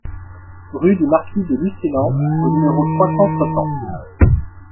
Rue du Maquis de Lucelans au numéro trois cent soixante